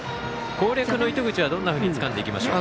攻略の糸口はどんなふうにつかんでいきましょうか？